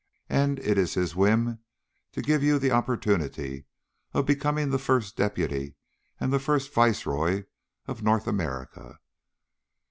And it is his whim to give you the opportunity of becoming the first deputy and the first viceroy of North America.